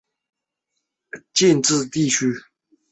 达格尔是位于美国亚利桑那州希拉县的一个非建制地区。